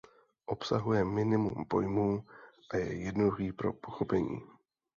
Obsahuje minimum pojmů a je jednoduchý pro pochopení.